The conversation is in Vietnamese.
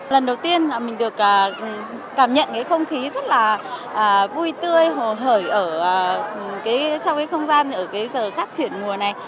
lần đầu tiên mình được cảm nhận cái không khí rất là vui tươi hồ hởi ở trong cái không gian ở cái giờ khắc chuyển mùa này